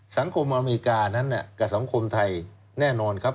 อเมริกานั้นกับสังคมไทยแน่นอนครับ